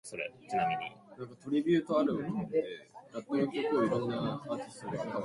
Further climatic deterioration is thought to have brought about cereal cultivation.